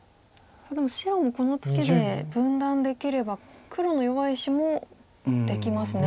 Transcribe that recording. でも白もこのツケで分断できれば黒の弱い石もできますね。